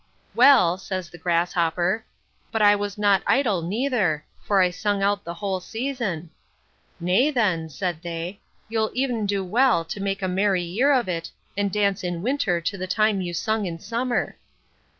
Well, says the grasshopper, but I was not idle neither; for I sung out the whole season. Nay, then, said they, you'll e'en do well to make a merry year of it, and dance in winter to the time you sung in summer.